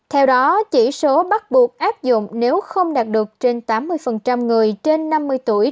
theo đó chỉ số bắt buộc áp dụng nếu không đạt được trên tám mươi người trên năm mươi tuổi